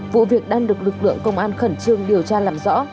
vụ việc đang được lực lượng công an khẩn trương điều tra làm rõ